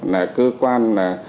là cơ quan